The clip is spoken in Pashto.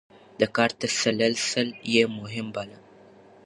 د کار تسلسل يې مهم باله.